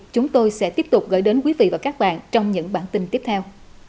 chúng tôi sẽ tiếp tục gửi đến quý vị và các bạn trong những bản tin tiếp theo